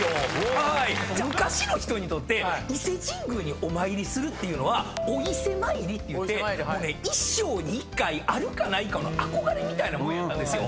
昔の人にとって伊勢神宮にお参りするっていうのはお伊勢参りっていって一生に一回あるかないかの憧れみたいなもんやったんですよ。